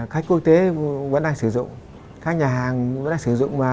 khách quốc tế vẫn đang sử dụng khách nhà hàng vẫn đang sử dụng